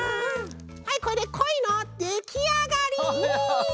はいこれでコイのできあがり！